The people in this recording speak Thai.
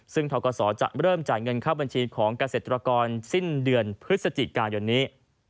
ซึ่งทกศจะเริ่มจ่ายเงินเข้าบัญชีของเกษตรกรสิ้นเดือนพฤศจิกายนนี้